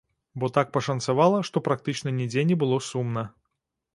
Бо так пашанцавала, што практычна нідзе не было сумна.